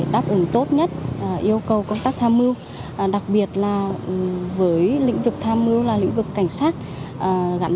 đáp ứng tốt nhất yêu cầu công tác tham mưu đặc biệt là với lĩnh vực tham mưu là lĩnh vực cảnh sát gắn